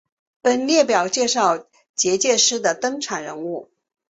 本列表介绍结界师的登场人物。